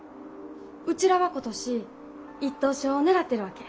うちらは今年１等賞を狙ってるわけ。